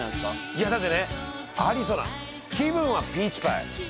いやだってね「ありそな気分はピーチパイ」